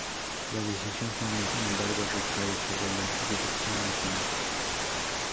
La decisión final sin embargo recae sobre la dirección nacional.